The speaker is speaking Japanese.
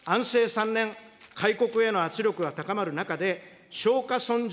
安政３年、開国への圧力が高まる中で、松下村塾